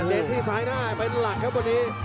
เดินที่ซ้ายหน้ามันหลังครับวันนี้